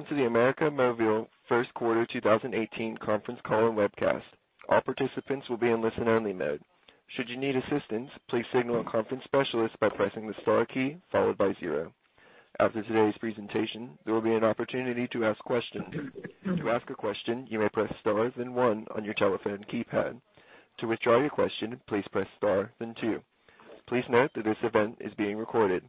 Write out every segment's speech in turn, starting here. Welcome to the América Móvil first quarter 2018 conference call and webcast. All participants will be in listen-only mode. Should you need assistance, please signal a conference specialist by pressing the star key followed by zero. After today's presentation, there will be an opportunity to ask questions. To ask a question, you may press star, then one on your telephone keypad. To withdraw your question, please press star, then two. Please note that this event is being recorded.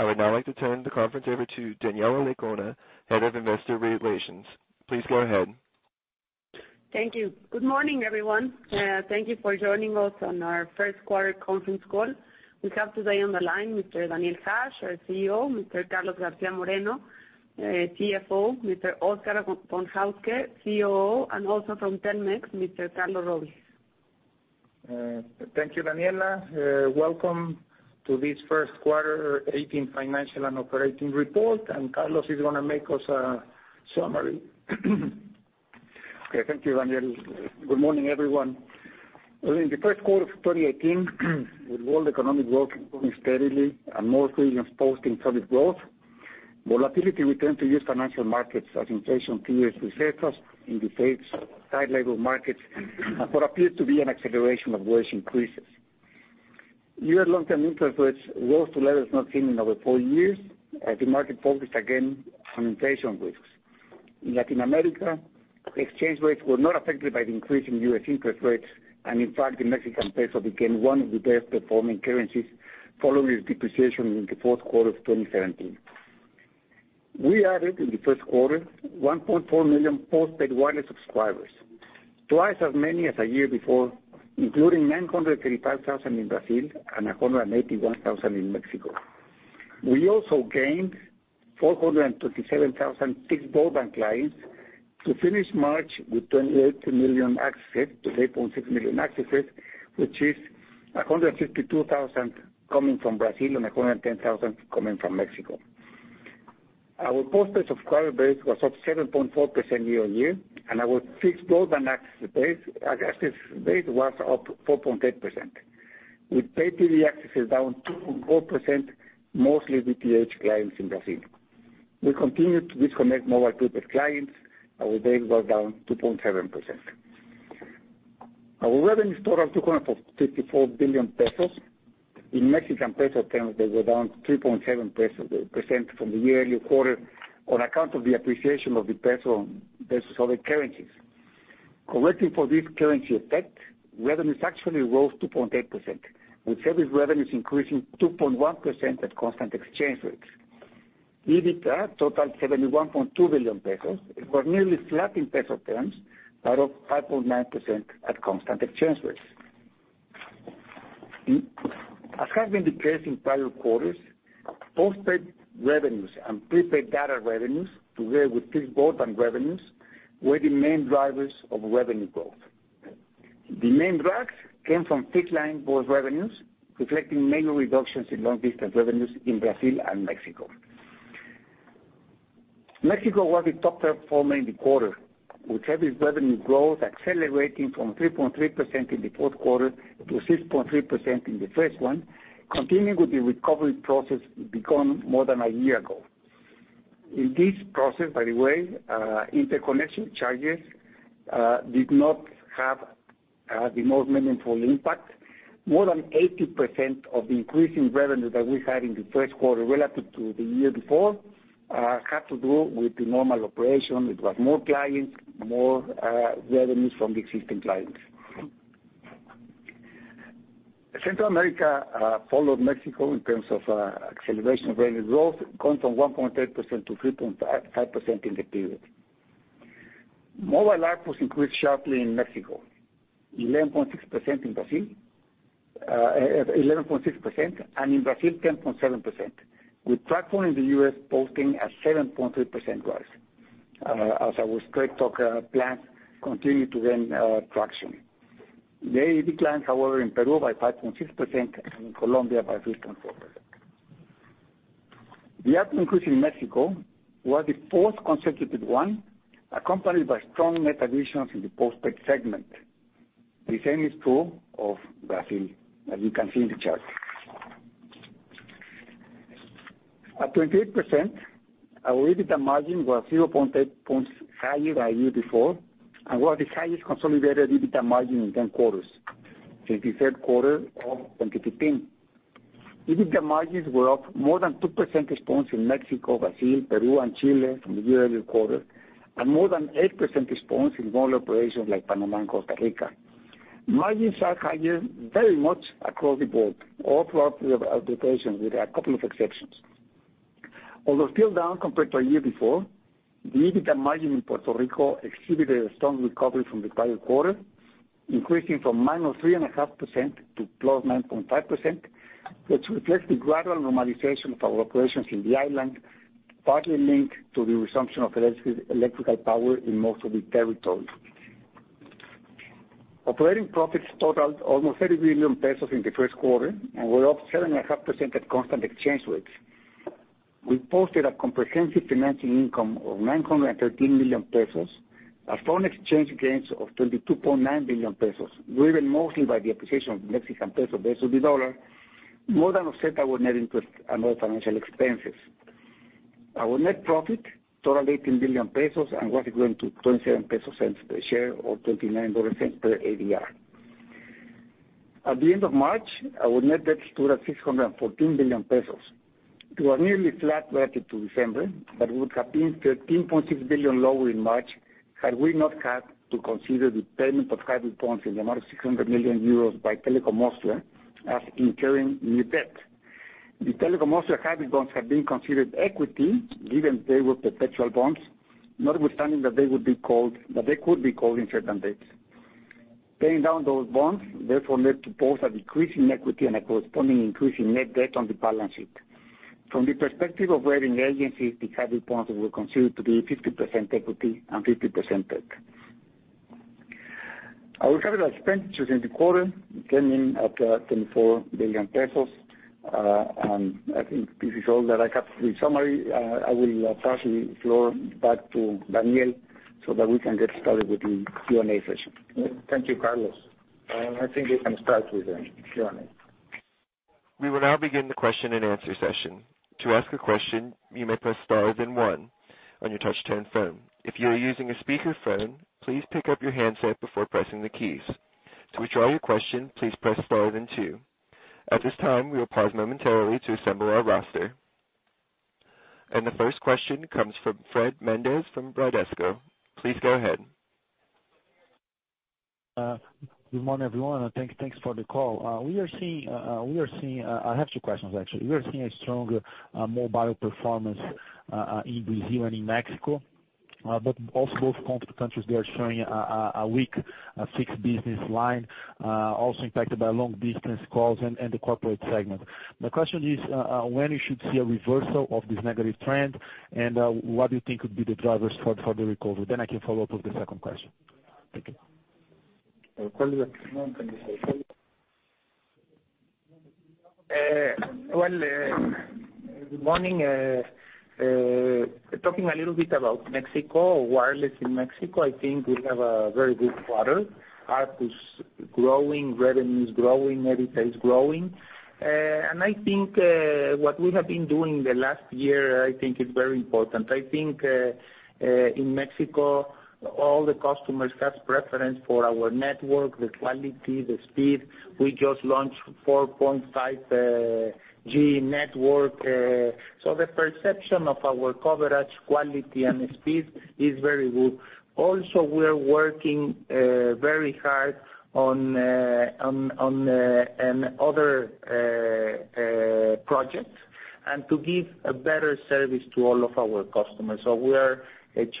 I would now like to turn the conference over to Daniela Lecuona, Head of Investor Relations. Please go ahead. Thank you. Good morning, everyone. Thank you for joining us on our first-quarter conference call. We have today on the line Mr. Daniel Hajj, our CEO, Mr. Carlos Garcia Moreno, CFO, Mr. Oscar Von Hauske, COO, and also from Telmex, Mr. Carlos Robles. Thank you, Daniela. Welcome to this first quarter 2018 financial and operating report. Carlos is going to make us a summary. Okay. Thank you, Daniel. Good morning, everyone. In the first quarter of 2018, with world economic growth improving steadily and most regions posting solid growth, volatility returned to U.S. financial markets as inflation fears resurfaced in debates over tight labor markets and what appeared to be an acceleration of wage increases. U.S. long-term interest rates rose to levels not seen in over four years as the market focused again on inflation risks. In Latin America, exchange rates were not affected by the increase in U.S. interest rates. In fact, the Mexican peso became one of the best-performing currencies following its depreciation in the fourth quarter of 2017. We added, in the first quarter, 1.4 million postpaid wireless subscribers, twice as many as a year before, including 935,000 in Brazil and 181,000 in Mexico. We also gained 427,000 fixed broadband clients to finish March with 28.6 million accesses, which is 152,000 coming from Brazil and 110,000 coming from Mexico. Our postpaid subscriber base was up 7.4% year-on-year, and our fixed broadband access base was up 4.8%, with pay-TV accesses down 2.4%, mostly DTH clients in Brazil. We continued to disconnect mobile prepaid clients. Our base was down 2.7%. Our revenues totaled 254 billion pesos. In Mexican peso terms, they were down 3.7% from the year earlier quarter on account of the appreciation of the peso versus other currencies. Correcting for this currency effect, revenues actually rose 2.8%, with service revenues increasing 2.1% at constant exchange rates. EBITDA totaled 71.2 billion pesos. It was nearly flat in peso terms, but up 5.9% at constant exchange rates. As has been the case in prior quarters, postpaid revenues and prepaid data revenues, together with fixed broadband revenues, were the main drivers of revenue growth. The main drags came from fixed line voice revenues, reflecting mainly reductions in long distance revenues in Brazil and Mexico. Mexico was the top performer in the quarter, with service revenue growth accelerating from 3.3% in the fourth quarter to 6.3% in the first one, continuing with the recovery process begun more than a year ago. In this process, by the way, interconnection charges did not have the most meaningful impact. More than 80% of the increase in revenue that we had in the first quarter relative to the year before had to do with the normal operation. It was more clients, more revenues from the existing clients. Central America followed Mexico in terms of acceleration of revenue growth, going from 1.8% to 3.5% in the period. Mobile ARPU increased sharply in Mexico, 11.6%, and in Brazil, 10.7%, with TracFone in the U.S. posting a 7.3% rise as our Straight Talk plans continue to gain traction. The ARPU declined, however, in Peru by 5.6% and in Colombia by 3.4%. The ARPU increase in Mexico was the fourth consecutive one, accompanied by strong net additions in the postpaid segment. The same is true of Brazil, as you can see in the chart. At 28%, our EBITDA margin was 0.8 points higher year-to-year before and was the highest consolidated EBITDA margin in 10 quarters since the third quarter of 2015. EBITDA margins were up more than 2% points in Mexico, Brazil, Peru, and Chile from the year earlier quarter, and more than 8% points in small operations like Panama and Costa Rica. Margins are higher very much across the board, all throughout the organization, with a couple of exceptions. Although still down compared to a year before, the EBITDA margin in Puerto Rico exhibited a strong recovery from the prior quarter, increasing from -3.5% to +9.5%, which reflects the gradual normalization of our operations in the island, partly linked to the resumption of electrical power in most of the territories. Operating profits totaled almost 30 billion pesos in the first quarter and were up 7.5% at constant exchange rates. We posted a comprehensive financial income of 913 million pesos, a foreign exchange gains of 22.9 billion pesos, driven mostly by the appreciation of the Mexican peso versus the U.S. dollar. More than offset our net interest and other financial expenses. Our net profit totaled 18 billion pesos and was equivalent to 0.27 pesos per share, or $0.29 per ADR. At the end of March, our net debt stood at 614 billion pesos. It was nearly flat relative to December, but would have been 13.6 billion lower in March had we not had to consider the payment of hybrid bonds in the amount of 600 million euros by Telekom Austria as incurring new debt. The Telekom Austria hybrid bonds had been considered equity given they were perpetual bonds, notwithstanding that they could be called in certain dates. Paying down those bonds meant both a decrease in equity and a corresponding increase in net debt on the balance sheet. From the perspective of rating agencies, the hybrid bonds were considered to be 50% equity and 50% debt. Our capital expenditures in the quarter came in at 24 billion pesos. I think this is all that I have in summary. I will pass the floor back to Daniel so that we can get started with the Q&A session. Thank you, Carlos. I think we can start with the Q&A. We will now begin the question and answer session. To ask a question, you may press star then one on your touch-tone phone. If you are using a speakerphone, please pick up your handset before pressing the keys. To withdraw your question, please press star then two. At this time, we will pause momentarily to assemble our roster. The first question comes from Fred Mendes from Bradesco. Please go ahead. Good morning, everyone. Thanks for the call. I have two questions, actually. We are seeing a stronger mobile performance in Brazil and in Mexico. Both countries, they are showing a weak fixed business line, also impacted by long-distance calls and the corporate segment. My question is, when you should see a reversal of this negative trend, and what do you think would be the drivers for the recovery? I can follow up with the second question. Thank you. I will call you next. No, thank you. Well, good morning. Talking a little bit about Mexico or wireless in Mexico, I think we have a very good quarter. ARPU's growing, revenue is growing, EBITDA is growing. I think what we have been doing the last year, I think is very important. I think, in Mexico, all the customers have preference for our network, the quality, the speed. We just launched 4.5G network. The perception of our coverage quality and speed is very good. Also, we're working very hard on other projects and to give a better service to all of our customers. We're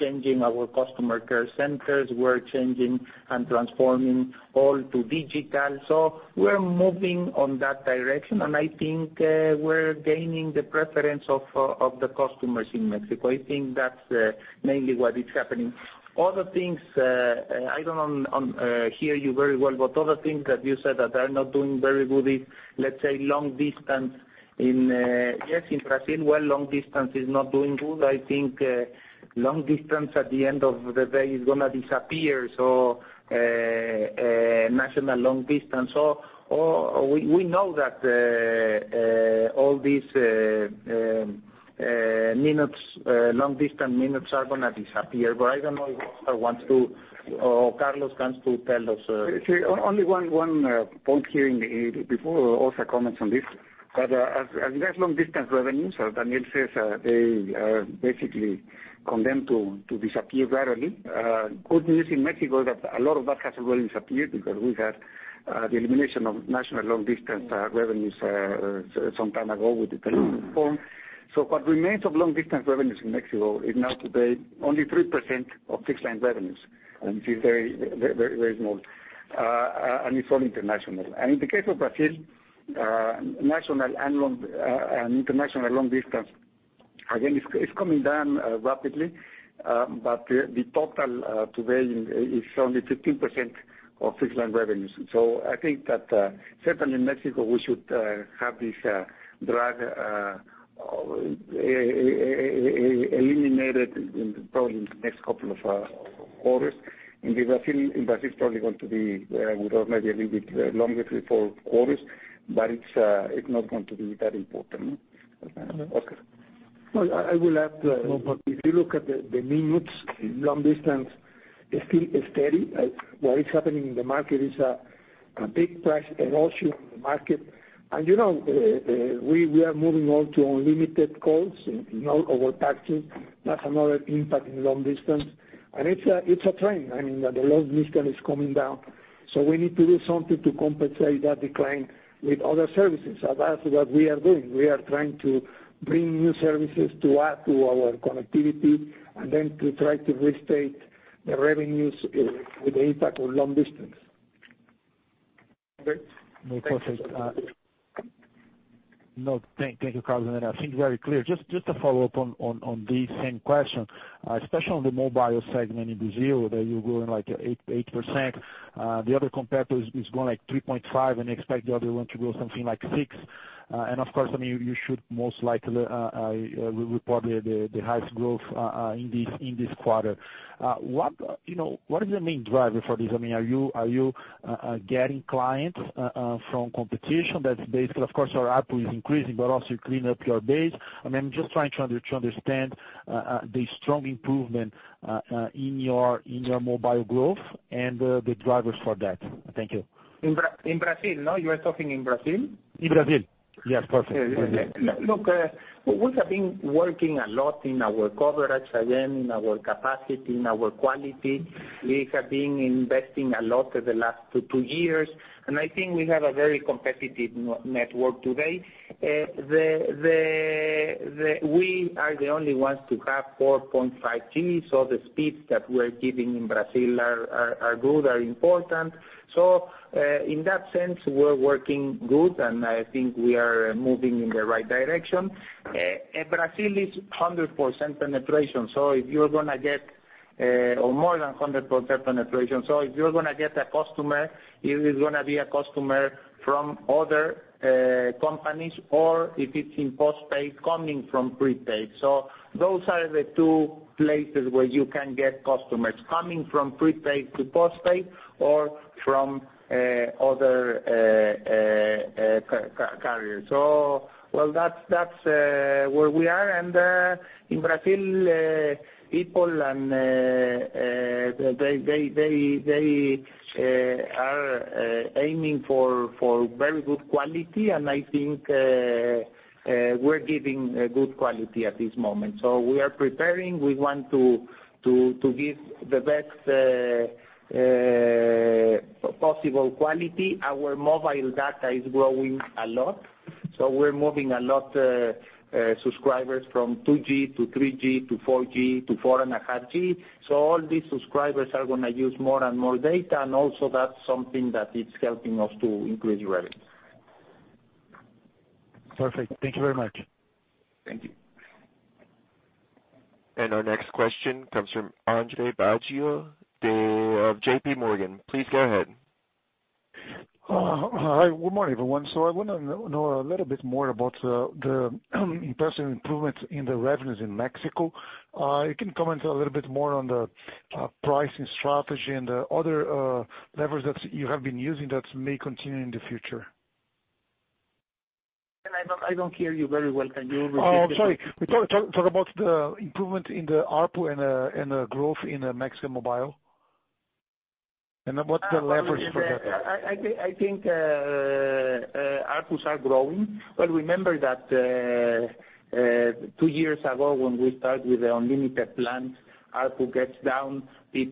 changing our customer care centers. We're changing and transforming all to digital. We're moving on that direction, and I think we're gaining the preference of the customers in Mexico. I think that's mainly what is happening. Other things, I don't hear you very well, but other things that you said that are not doing very good is, let's say, long distance in Yes, in Brazil, where long distance is not doing good. I think long distance, at the end of the day, is going to disappear, so national long distance. We know that all these long distance minutes are going to disappear, but I don't know if Oscar wants to, or Carlos wants to tell us. Only one point here before Oscar comments on this, but as long distance revenues, as Daniel says, they are basically condemned to disappear rapidly. Good news in Mexico that a lot of that has already disappeared because we had the elimination of national long distance revenues some time ago with the telephone reform. What remains of long distance revenues in Mexico is now today only 3% of fixed line revenues, which is very small. It's all international. In the case of Brazil, national and international long distance, again, it's coming down rapidly, but the total today is only 15% of fixed line revenues. I think that certainly in Mexico, we should have this drag eliminated probably in the next couple of quarters. In Brazil, it's probably going to be maybe a little bit longer, three, four quarters, but it's not going to be that important. Okay. I will add, if you look at the minutes in long distance, it's still steady. What is happening in the market is a big price erosion in the market. We are moving on to unlimited calls in all our packages. That's another impact in long distance. It's a trend. The long distance is coming down. We need to do something to compensate that decline with other services. That's what we are doing. We are trying to bring new services to add to our connectivity, and then to try to restate the revenues with the impact on long distance. Okay. No, thank you, Carlos. I think very clear. Just to follow up on the same question, especially on the mobile segment in Brazil, that you're growing like 8%. The other competitor is growing like 3.5%, and expect the other one to grow something like 6%. Of course, you should most likely report the highest growth in this quarter. What is the main driver for this? Are you getting clients from competition that's basically, of course, your ARPU is increasing, but also you clean up your base. I'm just trying to understand the strong improvement in your mobile growth and the drivers for that. Thank you. In Brazil, no? You are talking in Brazil? In Brazil. Yes, perfect. Look, we have been working a lot in our coverage, again, in our capacity, in our quality. We have been investing a lot for the last two years, and I think we have a very competitive network today. We are the only ones to have 4.5G, so the speeds that we're giving in Brazil are good, are important. In that sense, we're working good, and I think we are moving in the right direction. Brazil is 100% penetration, or more than 100% penetration. If you're going to get a customer, it is going to be a customer from other companies, or if it's in postpaid, coming from prepaid. Those are the two places where you can get customers, coming from prepaid to postpaid or from other carriers. Well, that's where we are. In Brazil, people are aiming for very good quality, and I think we're giving good quality at this moment. We are preparing. We want to give the best possible quality. Our mobile data is growing a lot, we're moving a lot subscribers from 2G to 3G to 4G to 4.5G. All these subscribers are going to use more and more data, and also that's something that is helping us to increase revenue. Perfect. Thank you very much. Thank you. Our next question comes from Andre Baggio of J.P. Morgan. Please go ahead. Hi. Good morning, everyone. I want to know a little bit more about the impressive improvements in the revenues in Mexico. You can comment a little bit more on the pricing strategy and the other levers that you have been using that may continue in the future. I don't hear you very well. Can you repeat the question? I'm sorry. We talk about the improvement in the ARPU and growth in Mexico mobile, what's the leverage for that? I think ARPU are growing. Remember that two years ago, when we start with the unlimited plans, ARPU gets down. We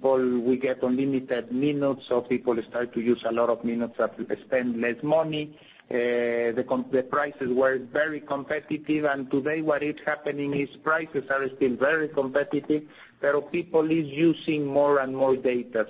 get unlimited minutes, so people start to use a lot of minutes, have to spend less money. The prices were very competitive, today what is happening is prices are still very competitive, but people is using more and more data.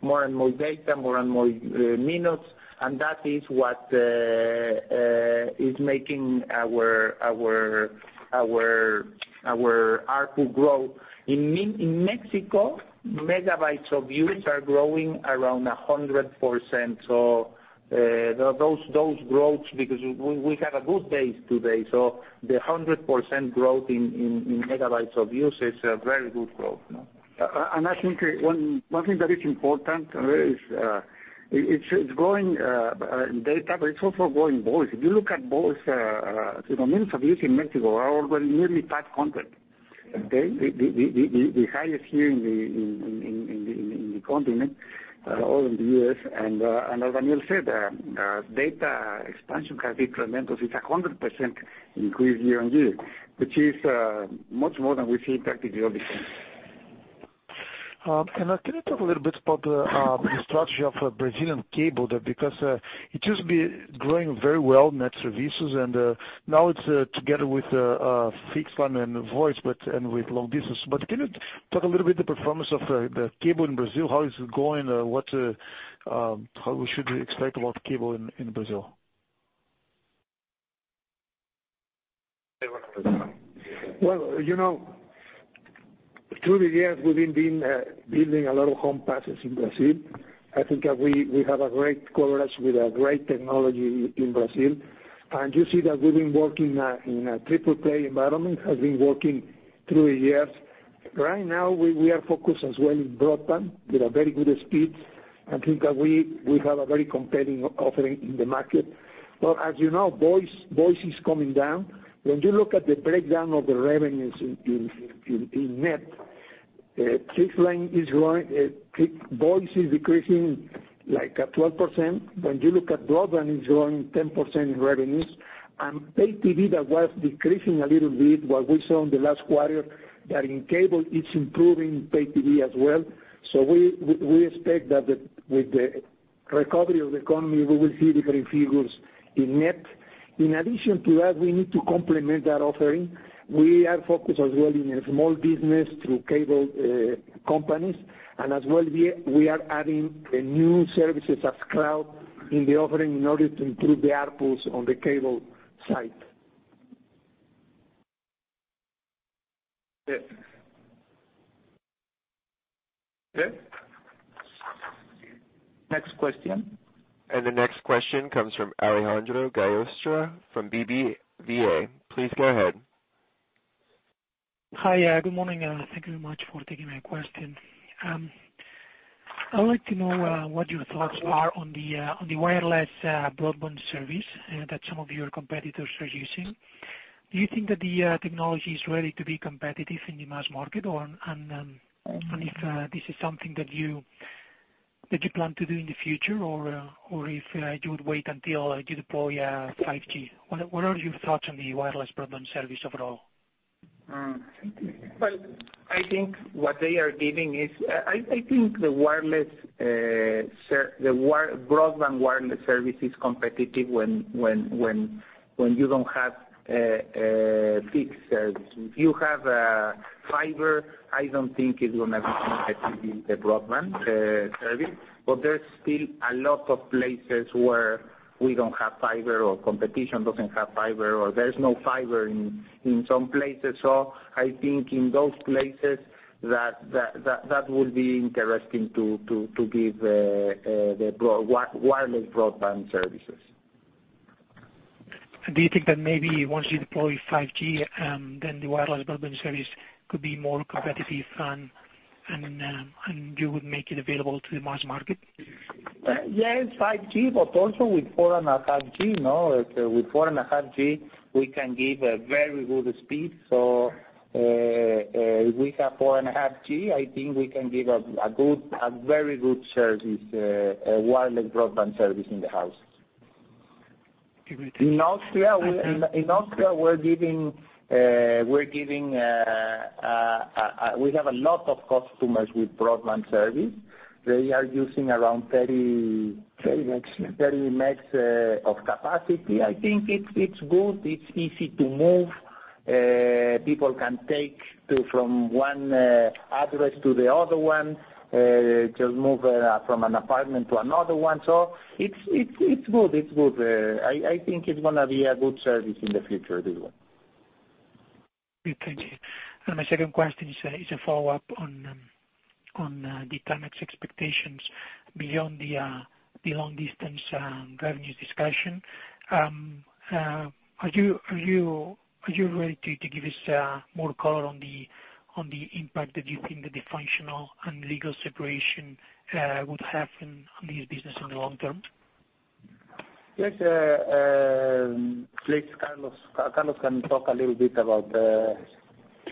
More and more data, more and more minutes, and that is what is making our ARPU grow. In Mexico, megabytes of use are growing around 100%. Those growths, because we have a good base today. The 100% growth in megabytes of use is a very good growth. I think one thing that is important is it's growing data, but it's also growing voice. If you look at voice, the minutes of use in Mexico are already nearly 500, okay? The highest here in the continent out of the U.S. As Daniel said, data expansion has been tremendous. It's 100% increase year-on-year, which is much more than we see practically obvious. Can you talk a little bit about the structure of Brazilian cable there? Because it used to be growing very well, net services, and now it's together with fixed line and voice, and with long distance. Can you talk a little bit the performance of the cable in Brazil, how is it going? How we should expect about cable in Brazil? Well, through the years, we've been building a lot of home passes in Brazil. I think that we have a great coverage with a great technology in Brazil. You see that we've been working in a triple-play environment, have been working through the years. Right now, we are focused as well in broadband with a very good speed. I think that we have a very compelling offering in the market. Well, as you know, voice is coming down. When you look at the breakdown of the revenues in NET, voice is decreasing like at 12%. When you look at broadband, it's growing 10% in revenues. Pay TV that was decreasing a little bit. What we saw in the last quarter that in cable it's improving pay TV as well. We expect that with the recovery of the economy, we will see different figures in NET. In addition to that, we need to complement that offering. We are focused as well in a small business through cable companies. As well, we are adding new services as cloud in the offering in order to improve the ARPUs on the cable side. Yes. Next question. The next question comes from Alejandro Gallostra from BBVA. Please go ahead. Hi. Good morning, and thank you very much for taking my question. I would like to know what your thoughts are on the wireless broadband service that some of your competitors are using. Do you think that the technology is ready to be competitive in the mass market? If this is something that you plan to do in the future? Or if you would wait until you deploy 5G. What are your thoughts on the wireless broadband service overall? Well, I think what they are giving is, I think the broadband wireless service is competitive when you don't have a fixed service. If you have fiber, I don't think it will have the broadband service. There's still a lot of places where we don't have fiber or competition doesn't have fiber, or there's no fiber in some places. I think in those places that will be interesting to give the wireless broadband services. Do you think that maybe once you deploy 5G, then the wireless broadband service could be more competitive and you would make it available to the mass market? Yes, 5G, but also with 4.5G. With 4.5G, we can give a very good speed. If we have 4.5G, I think we can give a very good service, a wireless broadband service in the house. Okay, thank you. In Austria, we have a lot of customers with broadband service. They are using around 30. 30 megs, yeah 30 megs of capacity. I think it's good. It's easy to move. People can take from one address to the other one, just move from an apartment to another one. It's good. I think it's going to be a good service in the future as well. Okay. My second question is a follow-up on the Telmex expectations beyond the long-distance revenues discussion. Are you ready to give us more color on the impact that you think the functional and legal separation would have on this business in the long term? Yes. Please, Carlos. Carlos can talk a little bit about the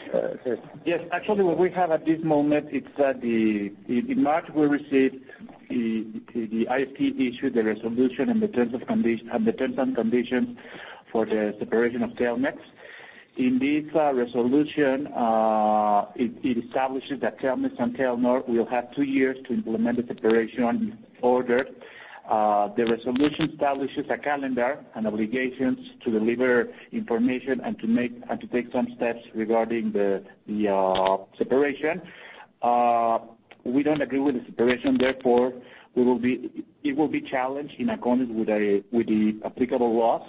separation. Yes. Actually, what we have at this moment, it's that in March, we received the IFT issue, the resolution, and the terms and conditions for the separation of Telmex. In this resolution, it establishes that Telmex and Telnor will have two years to implement the separation order. The resolution establishes a calendar and obligations to deliver information and to take some steps regarding the separation. We don't agree with the separation, therefore, it will be challenged in accordance with the applicable laws.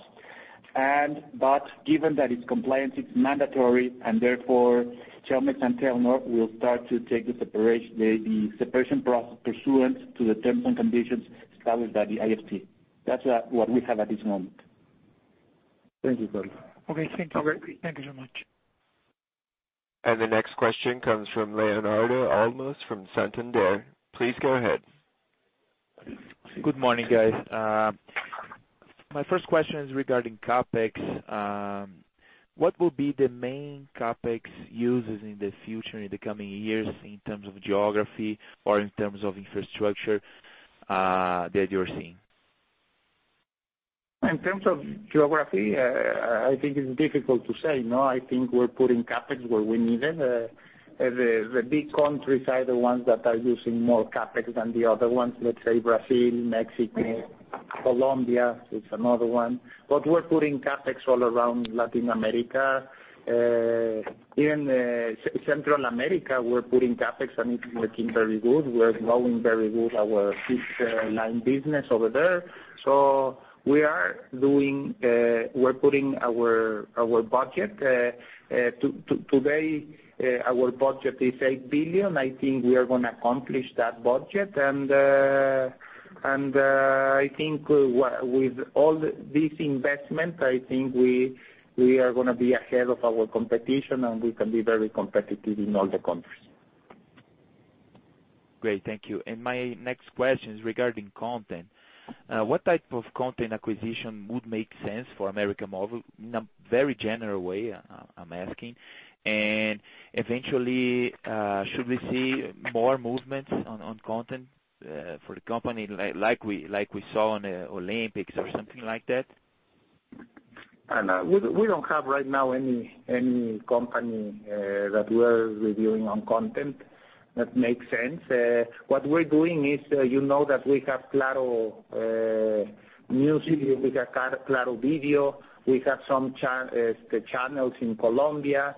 Given that it's compliance, it's mandatory, and therefore Telmex and Telnor will start to take the separation process pursuant to the terms and conditions established by the IFT. That's what we have at this moment. Thank you, Carlos. Okay, thank you. All right. Thank you so much. The next question comes from Leonardo Olmos from Santander. Please go ahead. Good morning, guys. My first question is regarding CapEx. What will be the main CapEx uses in the future, in the coming years, in terms of geography or in terms of infrastructure, that you're seeing? In terms of geography, I think it's difficult to say. I think we're putting CapEx where we need it. The big countries are the ones that are using more CapEx than the other ones. Let's say Brazil, Mexico, Colombia is another one. We're putting CapEx all around Latin America. In Central America, we're putting CapEx, and it's working very good. We're growing very good our fixed line business over there. We're putting our budget. Today, our budget is $8 billion. I think we are going to accomplish that budget. I think with all this investment, I think we are going to be ahead of our competition, and we can be very competitive in all the countries. Great. Thank you. My next question is regarding content. What type of content acquisition would make sense for América Móvil? In a very general way, I am asking. Eventually, should we see more movements on content for the company, like we saw on the Olympics or something like that? We don't have right now any company that we're reviewing on content that makes sense. What we're doing is, you know that we have Claro música, we have Claro video, we have some channels in Colombia,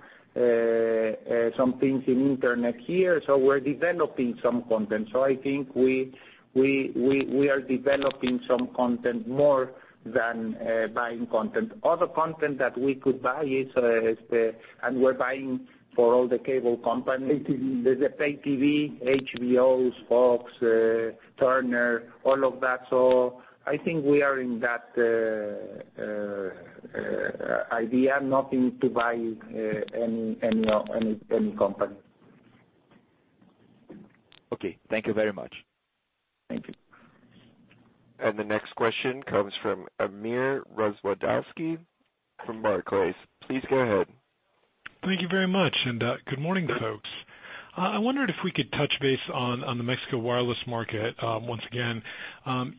some things in internet here. We're developing some content. I think we are developing some content more than buying content. Other content that we could buy is, and we're buying for all the cable companies, the pay TV, HBO, Fox, Turner, all of that. I think we are in that idea. Nothing to buy any company. Okay. Thank you very much. Thank you. The next question comes from Amir Rozwadowski from Barclays. Please go ahead. Thank you very much, good morning, folks. I wondered if we could touch base on the Mexico wireless market once again.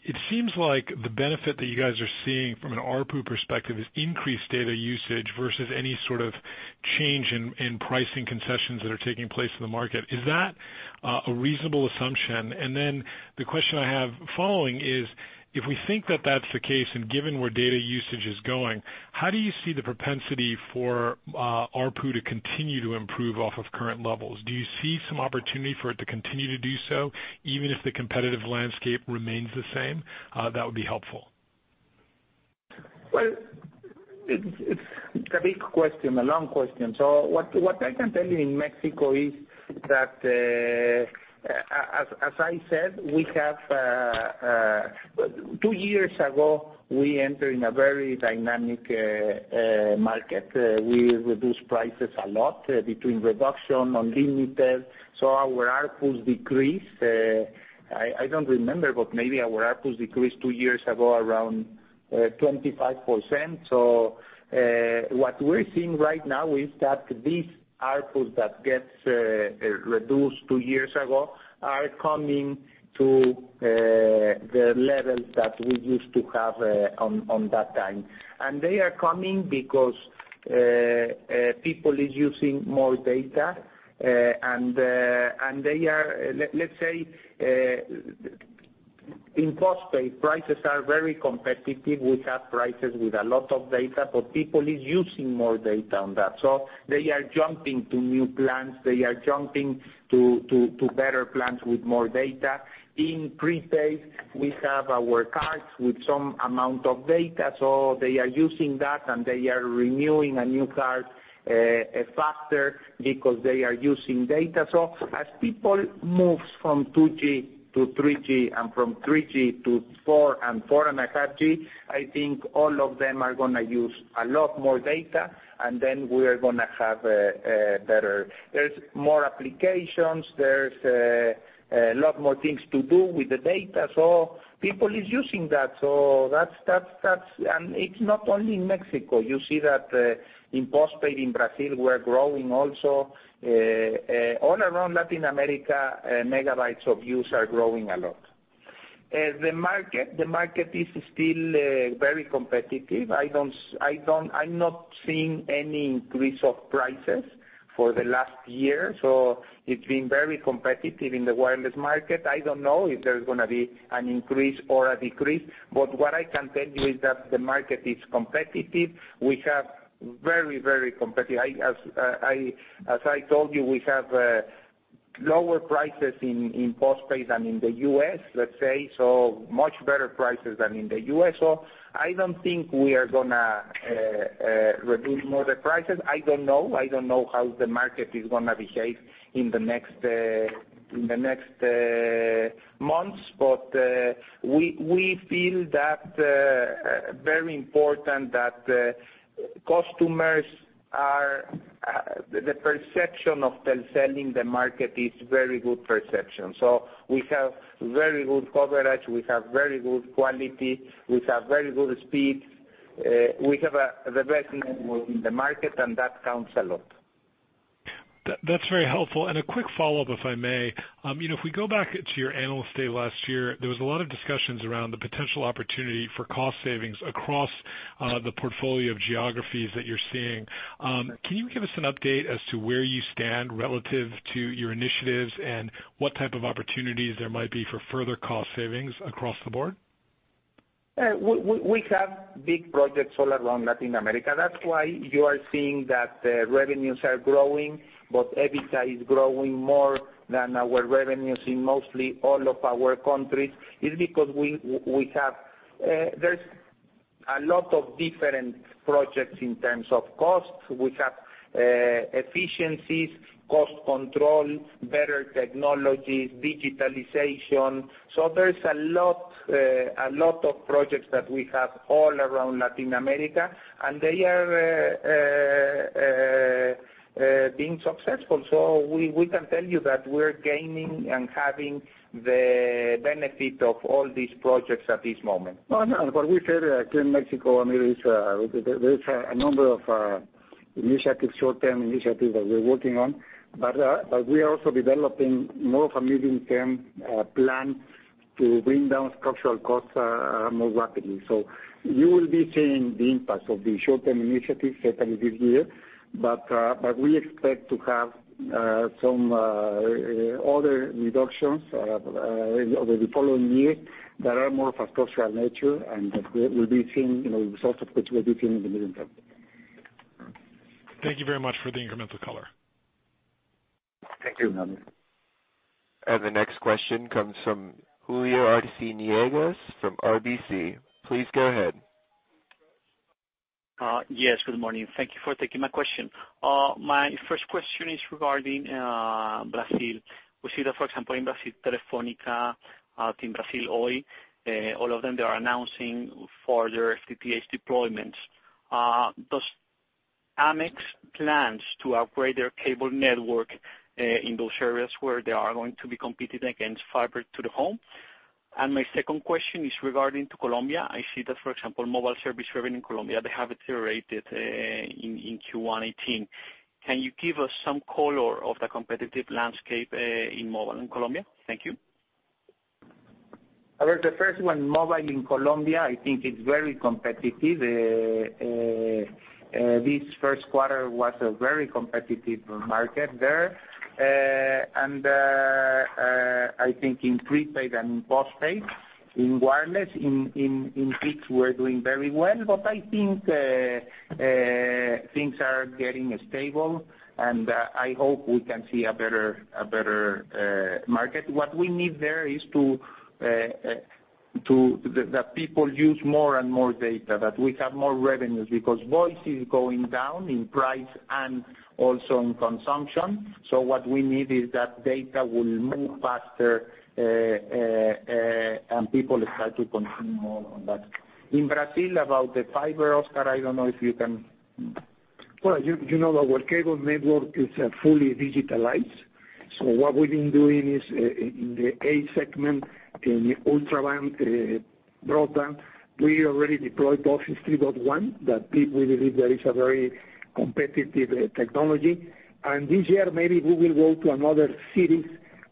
It seems like the benefit that you guys are seeing from an ARPU perspective is increased data usage versus any sort of change in pricing concessions that are taking place in the market. Is that a reasonable assumption? The question I have following is, if we think that that's the case, given where data usage is going, how do you see the propensity for ARPU to continue to improve off of current levels? Do you see some opportunity for it to continue to do so, even if the competitive landscape remains the same? That would be helpful. Well, it's a big question, a long question. What I can tell you in Mexico is that, as I said, two years ago, we enter in a very dynamic market. We reduce prices a lot between reduction, unlimited, our ARPUs decreased. I don't remember, but maybe our ARPUs decreased two years ago around 25%. What we're seeing right now is that these ARPU that gets reduced two years ago are coming to the levels that we used to have on that time. They are coming because people is using more data, and they are, let's say, in postpaid, prices are very competitive. We have prices with a lot of data, but people is using more data on that. They are jumping to new plans. They are jumping to better plans with more data. In prepaid, we have our cards with some amount of data. They are using that and they are renewing a new card faster because they are using data. As people moves from 2G to 3G and from 3G to 4 and 4.5G, I think all of them are going to use a lot more data, then we are going to have better. There's more applications. There's a lot more things to do with the data. People is using that. It's not only in Mexico. You see that in postpaid in Brazil, we're growing also. All around Latin America, megabytes of use are growing a lot. The market is still very competitive. I'm not seeing any increase of prices for the last year, so it's been very competitive in the wireless market. I don't know if there's gonna be an increase or a decrease, but what I can tell you is that the market is competitive. As I told you, we have lower prices in postpaid than in the U.S., let's say, much better prices than in the U.S. I don't think we are going to reduce more the prices. I don't know how the market is going to behave in the next months. We feel that very important that the perception of Telcel in the market is very good perception. We have very good coverage. We have very good quality. We have very good speed. We have the best network in the market, and that counts a lot. That's very helpful. A quick follow-up, if I may. If we go back to your Analyst Day last year, there was a lot of discussions around the potential opportunity for cost savings across the portfolio of geographies that you're seeing. Can you give us an update as to where you stand relative to your initiatives and what type of opportunities there might be for further cost savings across the board? We have big projects all around Latin America. That's why you are seeing that revenues are growing, but EBITDA is growing more than our revenues in mostly all of our countries. It's because there's a lot of different projects in terms of costs. We have efficiencies, cost control, better technologies, digitalization. There's a lot of projects that we have all around Latin America, and they are being successful. We can tell you that we're gaining and having the benefit of all these projects at this moment. What we said here in Mexico, Amir, there's a number of initiatives, short-term initiatives that we're working on. We are also developing more of a medium-term plan to bring down structural costs more rapidly. You will be seeing the impact of the short-term initiatives certainly this year. We expect to have some other reductions over the following year that are more of a structural nature, and that we'll be seeing results of which we'll be seeing in the medium term. Thank you very much for the incremental color. Thank you. Thank you. The next question comes from Julio Arciniegas from RBC. Please go ahead. Yes, good morning. Thank you for taking my question. My first question is regarding Brazil. We see that, for example, in Brazil, Telefónica, TIM Brasil, Oi all of them, they are announcing for their FTTH deployments. Does AMX plans to upgrade their cable network in those areas where they are going to be competing against fiber to the home. My second question is regarding to Colombia. I see that, for example, mobile service revenue in Colombia, they have it deteriorated in Q1 2018. Can you give us some color of the competitive landscape in mobile in Colombia? Thank you. Julio, first one, mobile in Colombia, I think it's very competitive. This first quarter was a very competitive market there. I think in prepaid and postpaid, in wireless, in fixed, we're doing very well. I think things are getting stable, and I hope we can see a better market. What we need there is that people use more and more data, that we have more revenues, because voice is going down in price and also in consumption. What we need is that data will move faster, and people start to consume more on that. In Brazil, about the fiber, Oscar, I don't know if you can. Well, you know our cable network is fully digitalized. What we've been doing is in the A segment, in the ultra broadband, we already deployed DOCSIS 3.1 that we believe that is a very competitive technology. This year, maybe we will go to another cities,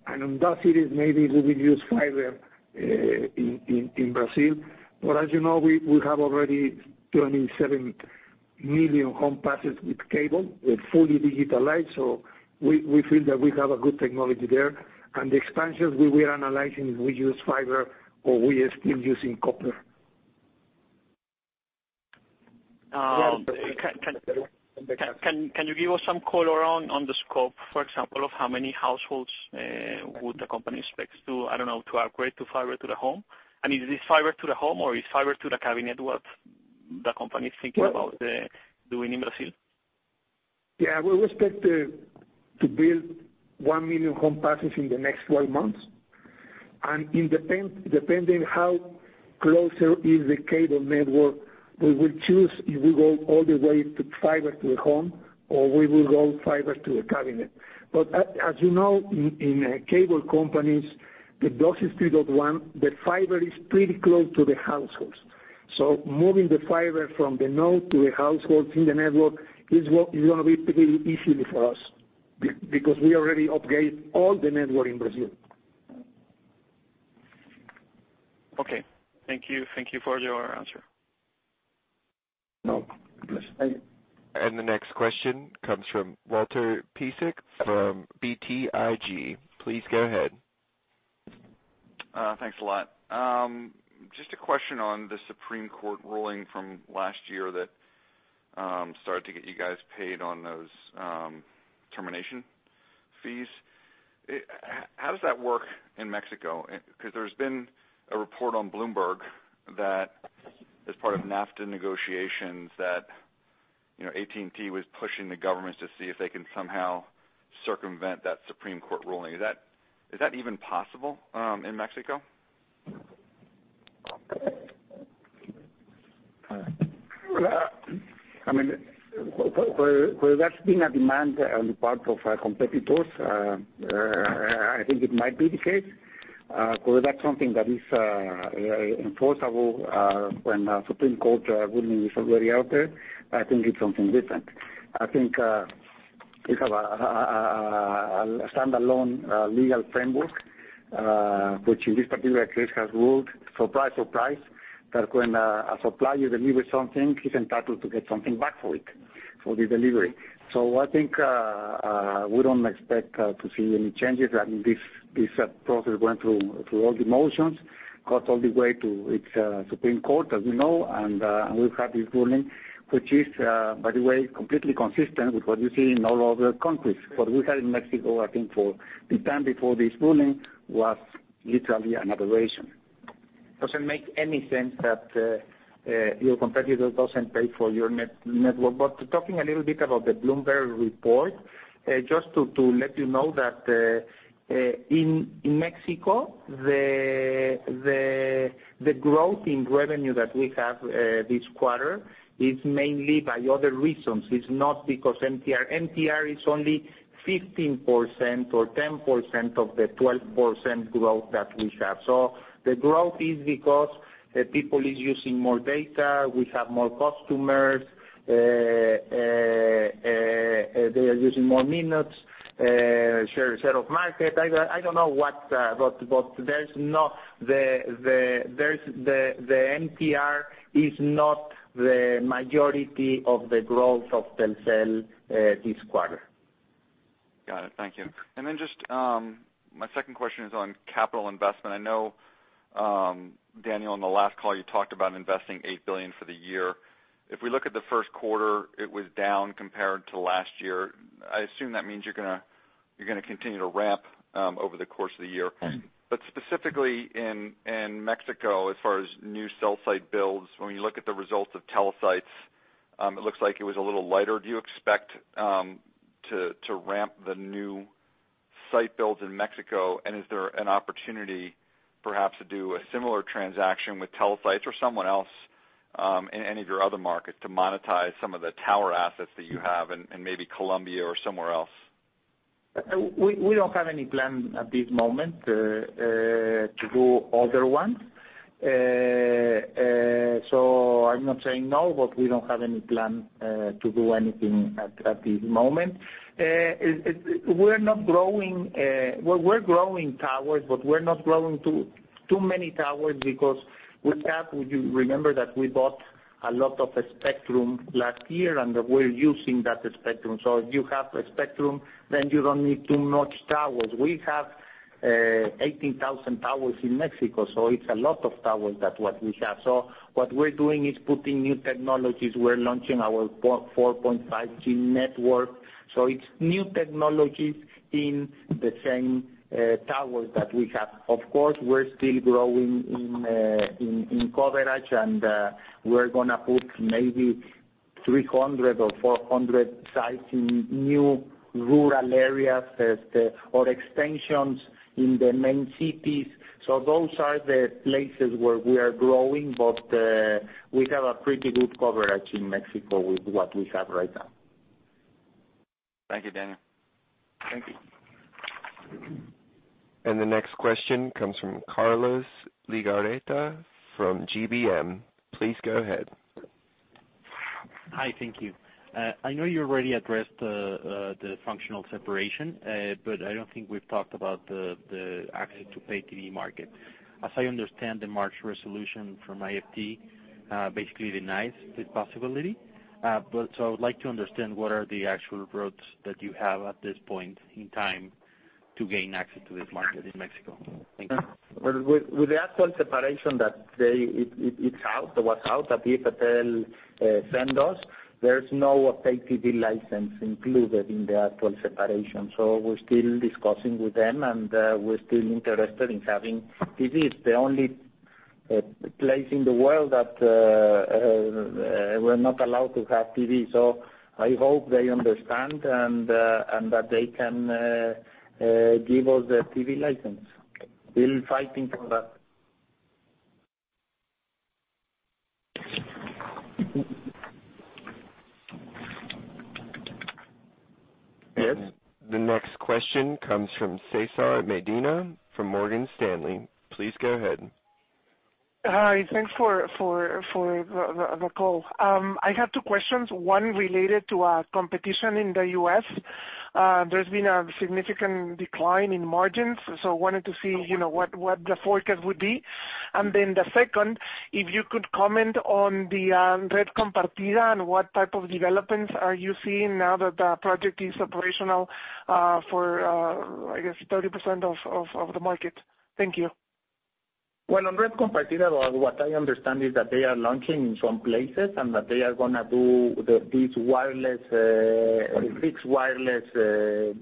and in that cities, maybe we will use fiber in Brazil. As you know, we have already 27 million home passes with cable. We're fully digitalized, we feel that we have a good technology there. The expansions we are analyzing if we use fiber or we are still using copper. Can you give us some color on the scope, for example, of how many households would the company expect to, I don't know, to upgrade to fiber to the home? Is this fiber to the home or is fiber to the cabinet what the company is thinking about doing in Brazil? Yeah, we expect to build 1 million home passes in the next 12 months. Depending how closer is the cable network, we will choose if we go all the way to fiber to the home or we will go fiber to the cabinet. As you know, in cable companies, the DOCSIS 3.1, the fiber is pretty close to the households. Moving the fiber from the node to the households in the network is gonna be pretty easy for us because we already upgraded all the network in Brazil. Okay. Thank you. Thank you for your answer. No, a pleasure. Thank you. The next question comes from Walter Piecyk from BTIG. Please go ahead. Thanks a lot. Just a question on the Supreme Court ruling from last year that started to get you guys paid on those termination fees. How does that work in Mexico? There's been a report on Bloomberg that as part of NAFTA negotiations that AT&T was pushing the governments to see if they can somehow circumvent that Supreme Court ruling. Is that even possible in Mexico? There's been a demand on the part of competitors, I think it might be the case. Whether that's something that is enforceable when a Supreme Court ruling is already out there, I think it's something different. I think we have a standalone legal framework, which in this particular case has ruled, surprise, that when a supplier delivers something, he's entitled to get something back for it, for the delivery. I think we don't expect to see any changes. I mean, this process went through all the motions, got all the way to the Supreme Court, as we know, and we've had this ruling, which is by the way, completely consistent with what you see in all other countries. What we had in Mexico, I think for the time before this ruling, was literally an aberration. Doesn't make any sense that your competitor doesn't pay for your network. Talking a little bit about the Bloomberg report, just to let you know that in Mexico, the growth in revenue that we have this quarter is mainly by other reasons. It's not because MTR. MTR is only 15% or 10% of the 12% growth that we have. The growth is because people is using more data. We have more customers. They are using more minutes, share of market. I don't know what, but the MTR is not the majority of the growth of Telcel this quarter. Got it. Thank you. Just my second question is on capital investment. I know, Daniel, on the last call, you talked about investing $8 billion for the year. If we look at the first quarter, it was down compared to last year. I assume that means you're gonna continue to ramp over the course of the year. Specifically in Mexico, as far as new cell site builds, when we look at the results of cell sites, it looks like it was a little lighter. Do you expect to ramp the new site builds in Mexico, and is there an opportunity perhaps to do a similar transaction with Telesites or someone else, in any of your other markets to monetize some of the tower assets that you have in maybe Colombia or somewhere else? We don't have any plan at this moment to do other ones. I'm not saying no, but we don't have any plan to do anything at this moment. We're growing towers, but we're not growing too many towers because we have, you remember that we bought a lot of spectrum last year, and we're using that spectrum. If you have a spectrum, then you don't need too much towers. We have 18,000 towers in Mexico, it's a lot of towers that what we have. What we're doing is putting new technologies. We're launching our 4.5G network, it's new technologies in the same towers that we have. Of course, we're still growing in coverage, and we're going to put maybe 300 or 400 sites in new rural areas, or extensions in the main cities. Those are the places where we are growing, but we have a pretty good coverage in Mexico with what we have right now. Thank you, Daniel. Thank you. The next question comes from Carlos Legarreta from GBM. Please go ahead. Hi, thank you. I know you already addressed the functional separation, but I don't think we've talked about the access to pay TV market. As I understand, the March resolution from IFT basically denies this possibility. I would like to understand what are the actual routes that you have at this point in time to gain access to this market in Mexico. Thank you. With the actual separation that it's out, that was out, that IFT sent us, there's no pay TV license included in the actual separation. We're still discussing with them, and we're still interested in having TV. It's the only place in the world that we're not allowed to have TV. I hope they understand and that they can give us the TV license. Still fighting for that. Yes. The next question comes from Cesar Medina from Morgan Stanley. Please go ahead. Hi. Thanks for the call. I have two questions, one related to competition in the U.S. There's been a significant decline in margins, wanted to see what the forecast would be. The second, if you could comment on the Red Compartida and what type of developments are you seeing now that the project is operational for I guess 30% of the market. Thank you. Well, on Red Compartida, what I understand is that they are launching in some places and that they are going to do this fixed wireless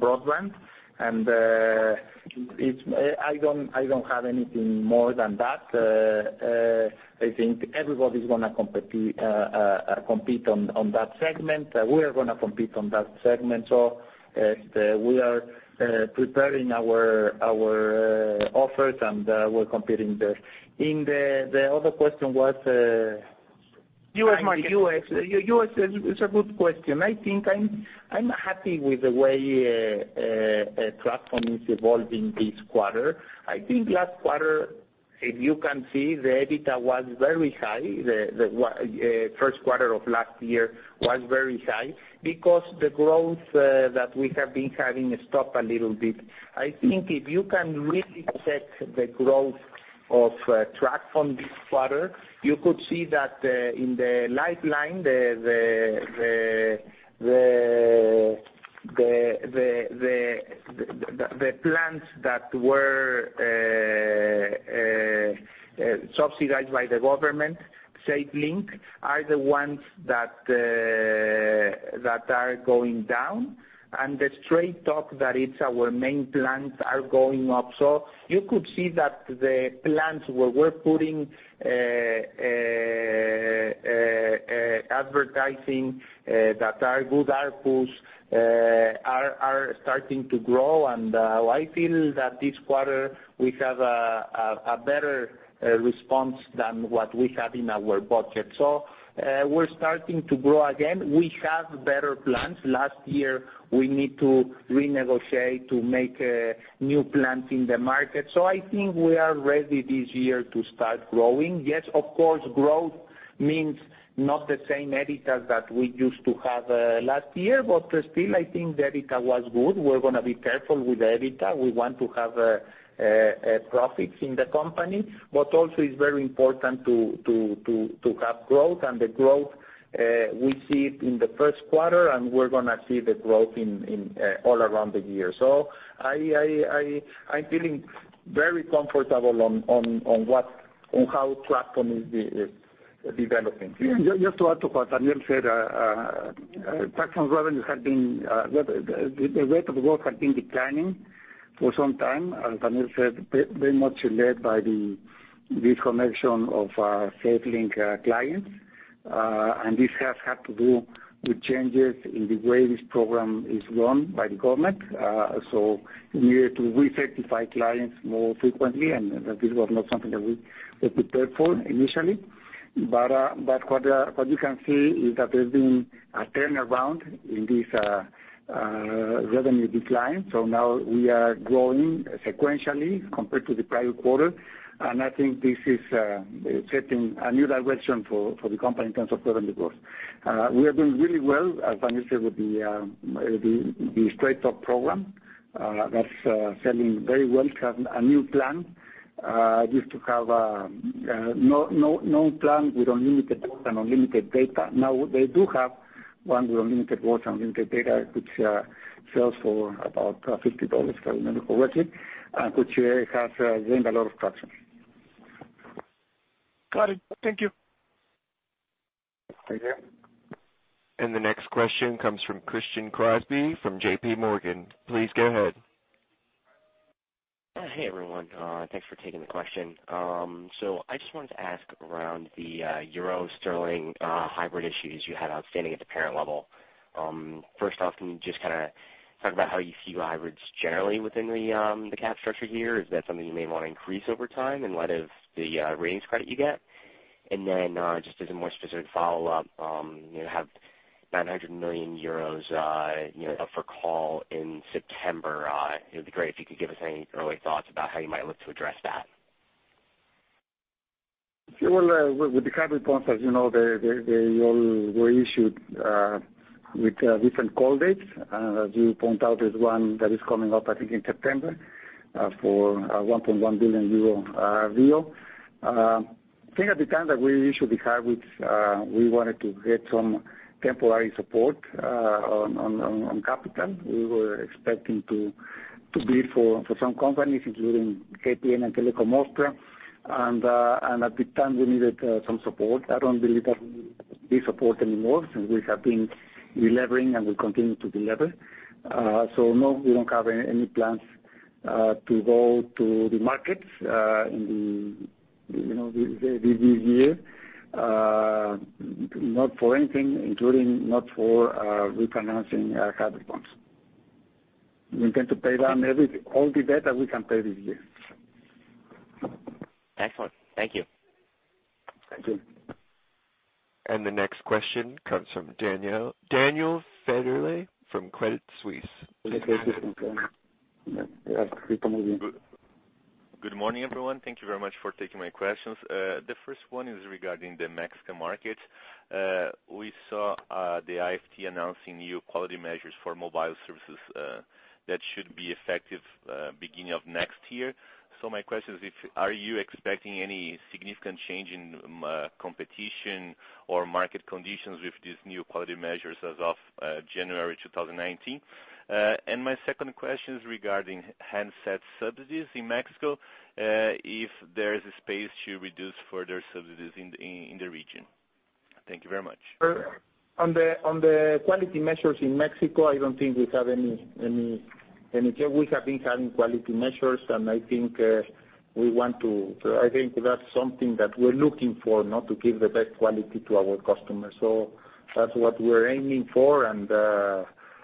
broadband. I don't have anything more than that. I think everybody's going to compete on that segment. We are going to compete on that segment. We are preparing our offers and we're competing there. The other question was? U.S. market. U.S. U.S. is a good question. I think I'm happy with the way TracFone is evolving this quarter. I think last quarter, if you can see, the EBITDA was very high. The first quarter of last year was very high because the growth that we have been having stopped a little bit. I think if you can really check the growth of TracFone this quarter, you could see that in the Lifeline, the plans that were subsidized by the government, SafeLink Wireless, are the ones that are going down. The Straight Talk that is our main plans are going up. You could see that the plans where we're putting advertising that are good ARPUs are starting to grow. I feel that this quarter we have a better response than what we have in our budget. We're starting to grow again. We have better plans. Last year, we need to renegotiate to make new plans in the market. I think we are ready this year to start growing. Yes, of course, growth means not the same EBITDA that we used to have last year. Still, I think the EBITDA was good. We're going to be careful with EBITDA. We want to have profits in the company. Also it's very important to have growth. The growth, we see it in the first quarter, and we're going to see the growth all around the year. I'm feeling very comfortable on how TracFone is developing. Just to add to what Daniel said, TracFone's revenue had been, the rate of growth had been declining for some time. As Daniel said, very much led by the disconnection of our SafeLink clients. This has had to do with changes in the way this program is run by the government. We needed to recertify clients more frequently, and this was not something that we prepared for initially. What you can see is that there's been a turnaround in this revenue decline. Now we are growing sequentially compared to the prior quarter, and I think this is setting a new direction for the company in terms of revenue growth. We are doing really well, as Daniel Hajj said, with the Straight Talk program. That's selling very well. It has a new plan. It used to have no plan with unlimited talk and unlimited data. Now they do have one with unlimited talk and unlimited data, which sells for about $50, if I remember correctly, which has gained a lot of traction. Got it. Thank you. Thank you. The next question comes from Christian Crosby from J.P. Morgan. Please go ahead. Hey, everyone. Thanks for taking the question. I just wanted to ask around the euro sterling hybrid issues you had outstanding at the parent level. First off, can you just talk about how you view hybrids generally within the Cap structure here? Is that something you may want to increase over time in light of the ratings credit you get? Just as a more specific follow-up, you have 900 million euros up for call in September. It would be great if you could give us any early thoughts about how you might look to address that. Well, with the hybrid bonds, as you know, they all were issued with different call dates. As you point out, there's one that is coming up, I think, in September for a 1.1 billion euro deal. I think at the time that we issued the hybrids, we wanted to get some temporary support on capital. We were expecting to bid for some companies, including KPN and Telekom Austria, and at the time, we needed some support. I don't believe that we need support anymore since we have been delevering, and we continue to delever. No, we don't have any plans to go to the markets in this year. Not for anything, including not for refinancing hybrid bonds. We intend to pay down all the debt that we can pay this year. Excellent. Thank you. Thank you. The next question comes from Daniel Federle from Credit Suisse. Yes. Keep moving. Good morning, everyone. Thank you very much for taking my questions. The first one is regarding the Mexican market. We saw the IFT announcing new quality measures for mobile services that should be effective beginning of next year. My question is, are you expecting any significant change in competition or market conditions with these new quality measures as of January 2019? My second question is regarding handset subsidies in Mexico, if there is a space to reduce further subsidies in the region. Thank you very much. On the quality measures in Mexico, I don't think we have any change. We have been having quality measures. I think that's something that we're looking for, to give the best quality to our customers. That's what we're aiming for.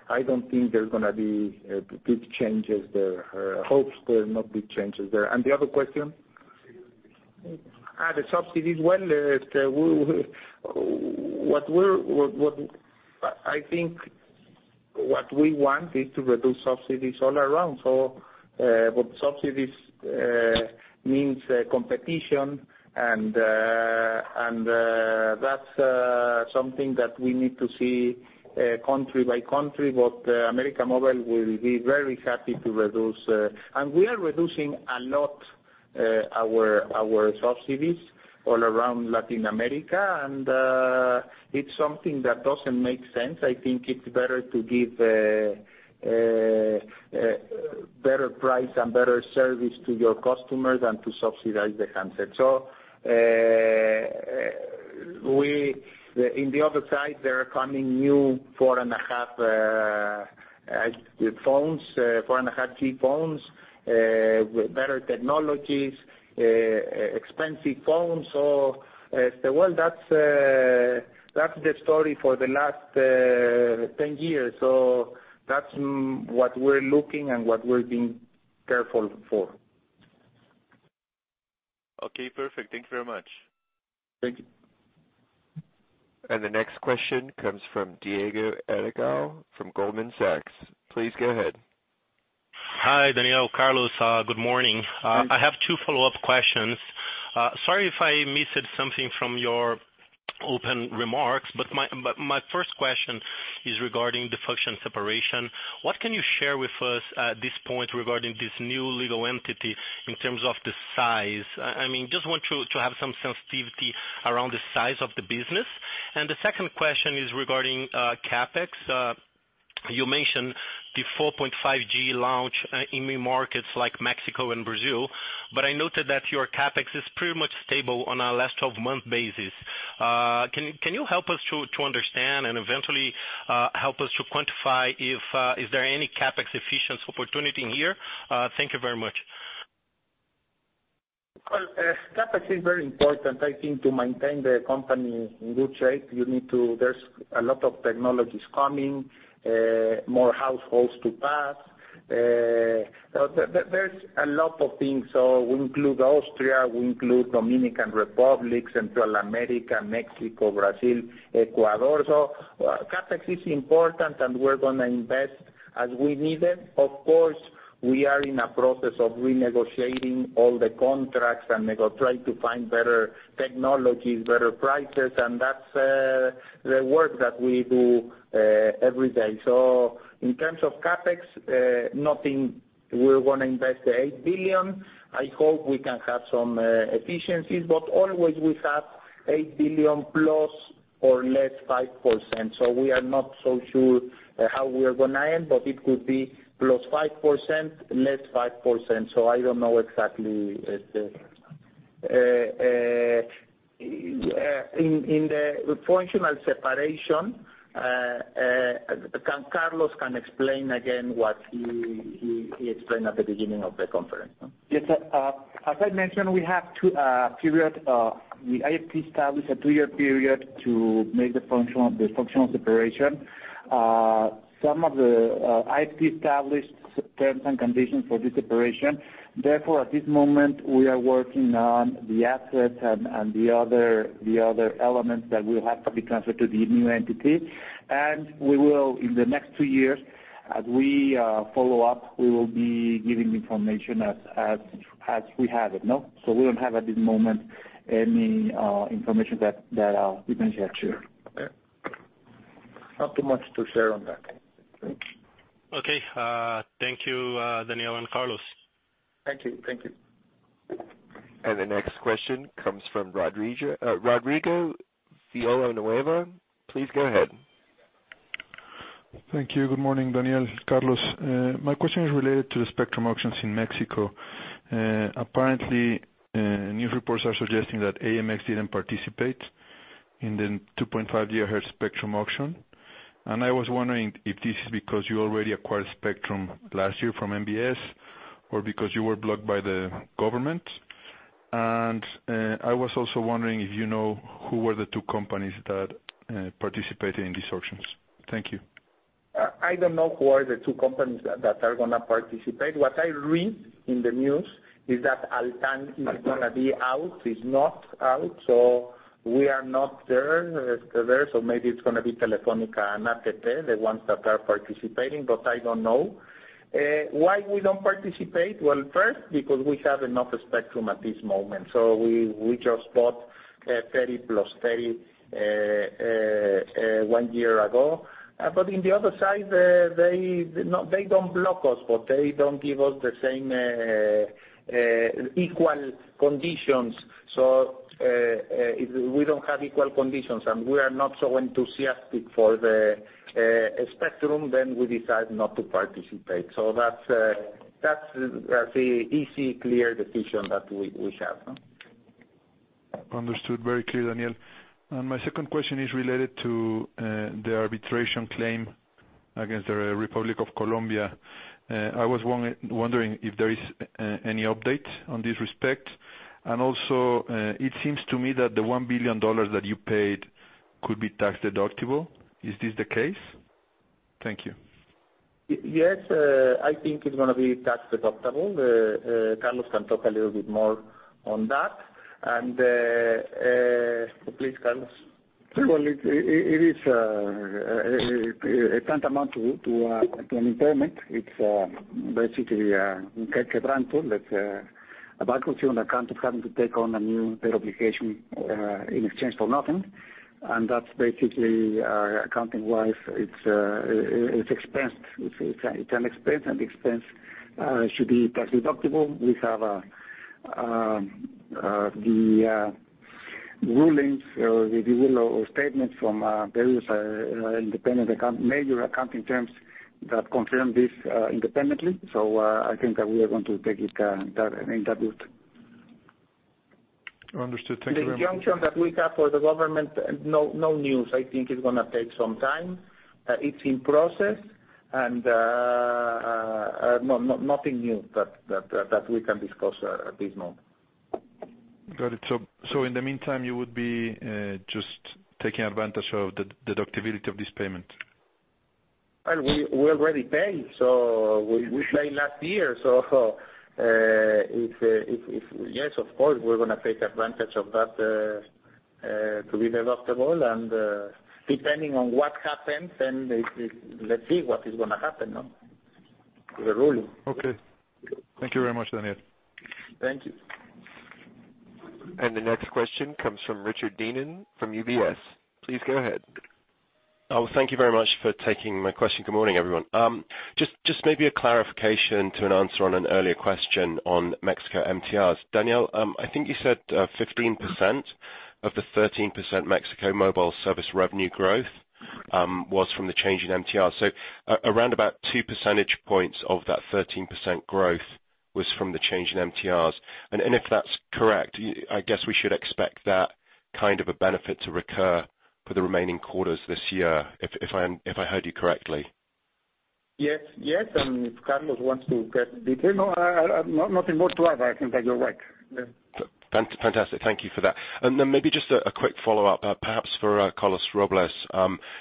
I don't think there's going to be big changes there. I hope there's not big changes there. The other question? Subsidies. The subsidies. Well, I think what we want is to reduce subsidies all around. Subsidies means competition. That's something that we need to see country by country. América Móvil will be very happy to reduce. We are reducing a lot our subsidies all around Latin America. It's something that doesn't make sense. I think it's better to give a better price and better service to your customers than to subsidize the handset. In the other side, there are coming new 4.5G phones with better technologies, expensive phones. Well, that's the story for the last 10 years. That's what we're looking and what we're being careful for. Okay, perfect. Thank you very much. Thank you. The next question comes from Diego Aragao from Goldman Sachs. Please go ahead. Hi, Daniel, Carlos. Good morning. Good morning. I have two follow-up questions. Sorry if I missed something from your open remarks. My first question is regarding the function separation. What can you share with us at this point regarding this new legal entity in terms of the size? I just want to have some sensitivity around the size of the business. The second question is regarding CapEx. You mentioned the 4.5G launch in new markets like Mexico and Brazil, but I noted that your CapEx is pretty much stable on a last 12-month basis. Can you help us to understand and eventually help us to quantify if there any CapEx efficiency opportunity in here? Thank you very much. Well, CapEx is very important. I think to maintain the company in good shape, there's a lot of technologies coming, more households to pass. There's a lot of things. We include Austria, we include Dominican Republic, Central America, Mexico, Brazil, Ecuador. CapEx is important, and we're going to invest as we need it. Of course, we are in a process of renegotiating all the contracts and trying to find better technologies, better prices, and that's the work that we do every day. In terms of CapEx, nothing, we're going to invest $8 billion. I hope we can have some efficiencies, but always we have $8 billion plus or less 5%. We are not so sure how we are going to end, but it could be +5%, -5%. I don't know exactly. In the functional separation, Carlos can explain again what he explained at the beginning of the conference. Yes. As I mentioned, we have two periods. The IFT established a two-year period to make the functional separation. Some of the IFT established terms and conditions for this separation. At this moment, we are working on the assets and the other elements that will have to be transferred to the new entity. We will, in the next two years, as we follow up, we will be giving information as we have it. We don't have, at this moment, any information that we can share to you. Not too much to share on that. Okay. Thank you, Daniel and Carlos. Thank you. Thank you. The next question comes from Rodrigo Villanueva. Please go ahead. Thank you. Good morning, Daniel, Carlos. My question is related to the spectrum auctions in Mexico. Apparently, news reports are suggesting that AMX didn't participate in the 2.5 gigahertz spectrum auction. I was wondering if this is because you already acquired spectrum last year from MVS or because you were blocked by the government. I was also wondering if you know who were the two companies that participated in these auctions. Thank you. I don't know who are the two companies that are going to participate. What I read in the news is that Altán Redes is going to be out, is not out. We are not there. Maybe it's going to be Telefónica and AT&T, the ones that are participating, but I don't know. Why we don't participate? First, because we have enough spectrum at this moment. We just bought 30 plus 30 one year ago. On the other side, they don't block us, but they don't give us the same equal conditions. If we don't have equal conditions and we are not so enthusiastic for the spectrum, then we decide not to participate. That's the easy, clear decision that we have. Understood. Very clear, Daniel. My second question is related to the arbitration claim against the Republic of Colombia. I was wondering if there is any update on this respect. Also, it seems to me that the $1 billion that you paid could be tax deductible. Is this the case? Thank you. Yes. I think it's going to be tax deductible. Carlos can talk a little bit more on that. Please, Carlos. Well, it is tantamount to an impairment. It's basically a grant that a buyer could feel on account of having to take on a new obligation in exchange for nothing. That's basically accounting wise, it's an expense, and the expense should be tax deductible. We have the rulings, the review or statements from various independent, major accounting firms that confirm this independently. I think that we are going to take it in that route. Understood. Thank you very much. The injunction that we have for the government, no news. I think it's going to take some time. It's in process. Nothing new that we can discuss at this moment. Got it. In the meantime, you would be just taking advantage of the deductibility of this payment? Well, we already paid. We paid last year. Yes, of course, we're going to take advantage of that to be deductible. Depending on what happens, let's see what is going to happen with the ruling. Okay. Thank you very much, Daniel. Thank you. The next question comes from Richard Deenin from UBS. Please go ahead. Thank you very much for taking my question. Good morning, everyone. Just maybe a clarification to an answer on an earlier question on Mexico MTRs. Daniel, I think you said 15% of the 13% Mexico mobile service revenue growth was from the change in MTR. Around about two percentage points of that 13% growth was from the change in MTRs. If that's correct, I guess we should expect that kind of a benefit to recur for the remaining quarters this year, if I heard you correctly. Yes. If Carlos wants to get detail, nothing more to add, but I think that you're right. Yeah. Fantastic. Thank you for that. Maybe just a quick follow-up, perhaps for Carlos Robles,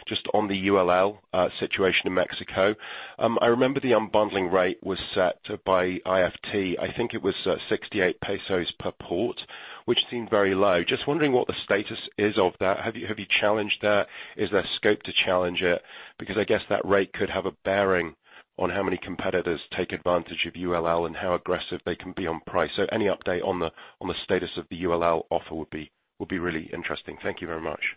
just on the ULL situation in Mexico. I remember the unbundling rate was set by IFT. I think it was 68 pesos per port, which seemed very low. Just wondering what the status is of that. Have you challenged that? Is there scope to challenge it? Because I guess that rate could have a bearing on how many competitors take advantage of ULL and how aggressive they can be on price. Any update on the status of the ULL offer would be really interesting. Thank you very much.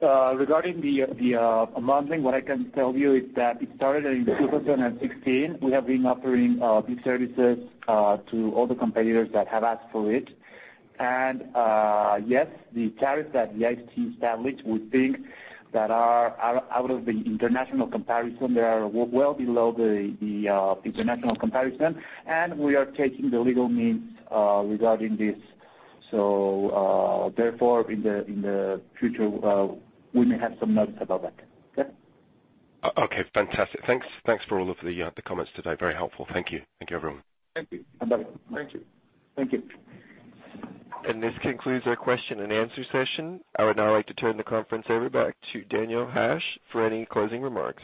Regarding the unbundling, what I can tell you is that it started in 2016. We have been offering these services to all the competitors that have asked for it. Yes, the tariff that the IFT established, we think that are out of the international comparison, they are well below the international comparison, and we are taking the legal means regarding this. Therefore, in the future, we may have some notes about that. Yeah. Okay. Fantastic. Thanks for all of the comments today. Very helpful. Thank you. Thank you, everyone. Thank you. Thank you. Thank you. This concludes our question and answer session. I would now like to turn the conference over back to Daniel Hajj for any closing remarks.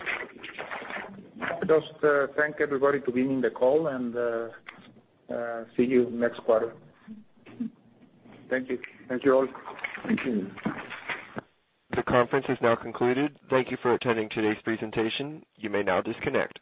Just thank everybody to be in the call and see you next quarter. Thank you. Thank you all. The conference is now concluded. Thank you for attending today's presentation. You may now disconnect.